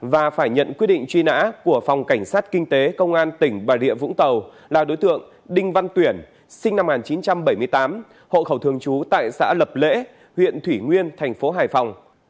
và phần cuối như thường lệ sẽ là những thông tin về chuyên án tội phạm